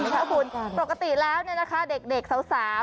ขอบคุณปกติแล้วนะคะเด็กสาว